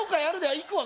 「行くわ」